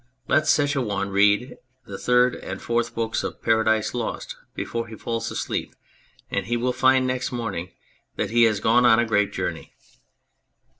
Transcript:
Let such a one read the third and fourth books of Paradise Lost before he falls asleep and he will find next morning that he has gone on a great journey.